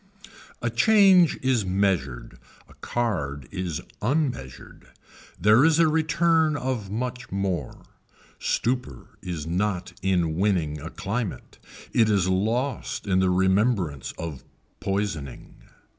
A change is measured, a card is unmeasured. There is a return of much more. Stupor is not in winning a climate. It is lost in the remembrance of poisoning.